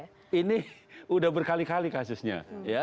iya ini udah berkali kali kasusnya